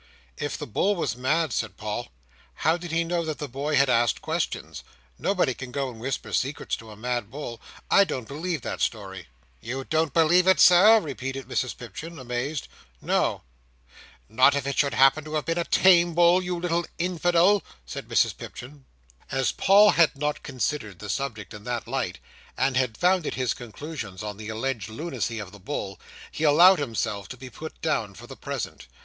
"If the bull was mad," said Paul, "how did he know that the boy had asked questions? Nobody can go and whisper secrets to a mad bull. I don't believe that story." "You don't believe it, Sir?" repeated Mrs Pipchin, amazed. "No," said Paul. "Not if it should happen to have been a tame bull, you little Infidel?" said Mrs Pipchin. As Paul had not considered the subject in that light, and had founded his conclusions on the alleged lunacy of the bull, he allowed himself to be put down for the present.